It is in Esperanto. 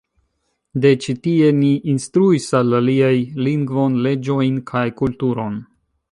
De ĉi tie ni instruis al aliaj lingvon, leĝojn kaj kulturon.